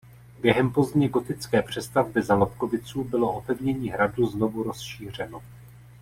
Během pozdně gotické přestavby za Lobkoviců bylo opevnění hradu znovu rozšířeno.